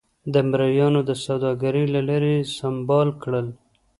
د مریانو د سوداګرۍ له لارې سمبال کړل.